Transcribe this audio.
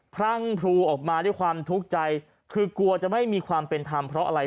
พรั่งพลูออกมาด้วยความทุกข์ใจคือกลัวจะไม่มีความเป็นธรรมเพราะอะไร